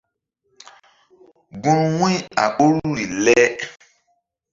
Gun wu̧y a ɓoruri le.